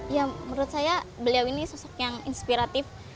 ya menurut saya beliau ini sosok yang inspiratif